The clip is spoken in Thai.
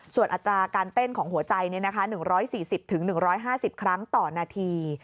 ส่วนอัตราการเต้นของหัวใจ๑๔๐๑๕๐ครั้งต่อนาที